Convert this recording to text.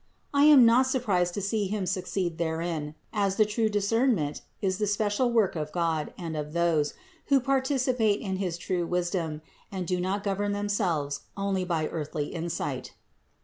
I am not surprised to see him succeed therein, as the true discernment is the special work of God and of those, who participate in his true wisdom, and do not govern themselves only by earthly insight.